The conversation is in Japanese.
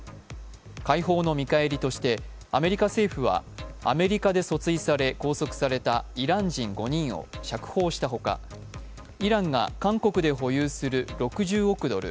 解放の見返りとして、アメリカ政府はアメリカで訴追され拘束されたイラン人５人を釈放したほか、イランが韓国で保有する６０億ドル